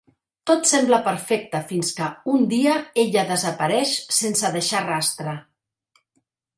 Tot sembla perfecte fins que un dia ella desapareix sense deixar rastre.